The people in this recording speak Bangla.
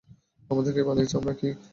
আমাদের কে বানিয়েছে আমরা কি?